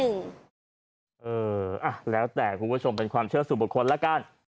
เออแล้วแต่คุณผู้ชมเป็นความเชื่อสู่บุคคลแล้วกัน